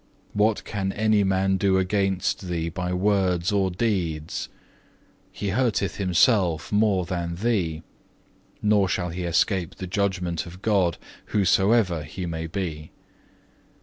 What can any man do against thee by words or deeds? He hurteth himself more than thee, nor shall he escape the judgment of God, whosoever he may be.